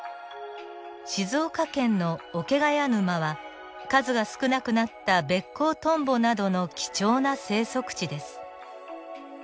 静岡県の桶ヶ谷沼は数が少なくなったベッコウトンボなどの貴重な生息地です。